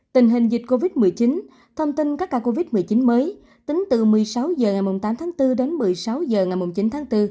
tình hình dịch covid một mươi chín thông tin các ca covid một mươi chín mới tính từ một mươi sáu h ngày tám tháng bốn đến một mươi sáu h ngày chín tháng bốn